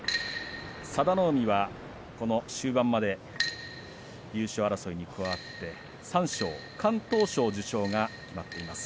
佐田の海はこの終盤まで優勝争いに加わって、三賞敢闘賞受賞が決まっています。